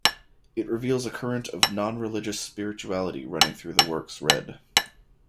It reveals a current of non-religious spirituality running through the works read.